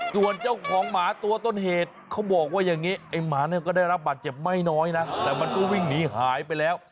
ส่วนเจ้าของหมาตัวต้นเหตุเขาบอกว่าอย่างนี้ไอ้หมาเนี่ยก็ได้รับบาดเจ็บไม่น้อยนะแต่มันก็วิ่งหนีหายไปแล้ว